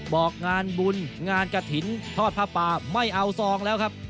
บอกงานบุญงานกระถิ่นทอดผ้าป่าไม่เอาซองแล้วครับ